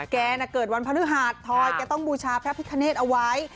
แกเกิดวันพฤหาดทอยแกต้องบูชาพระพิคเนตเอาไว้